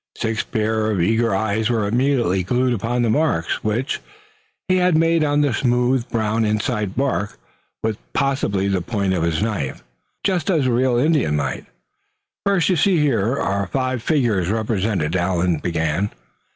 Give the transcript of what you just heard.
Six pair of eager eyes were immediately glued upon the marks which he had made on the smooth brown inside bark, with possibly the point of his knife, just as the real Indian might. "First, you see, here are five figures represented," Allan began.